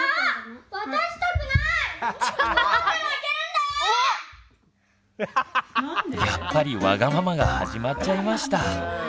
でもやっぱりワガママが始まっちゃいました。